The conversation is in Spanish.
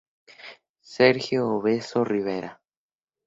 Sergio Obeso Rivera.